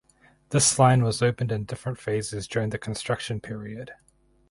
This line was opened in different phases during the construction period.